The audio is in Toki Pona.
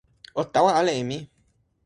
o tawa ala e mi!